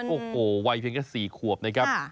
โอ้โหวัยเพียงกันสี่ขวบนะครับ